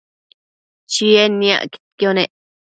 Chied niacquidquio nec